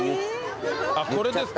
あっこれですか？